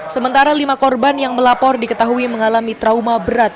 sementara lima korban yang melapor diketahui mengalami trauma berat